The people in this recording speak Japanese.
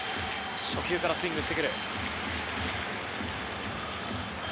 初球からスイングしてくる。